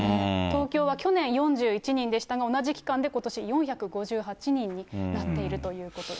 東京は去年４１人でしたが、同じ期間でことし４５８人になっていると。